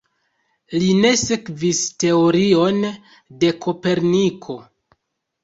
Li ne sekvis teorion de Koperniko.